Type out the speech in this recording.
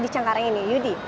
di cengkareng ini yudi